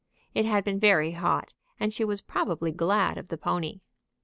It had been very hot, and she was probably glad of the pony.